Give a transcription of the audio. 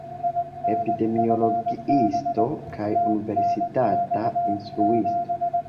Epidemiologiisto kaj universitata instruisto.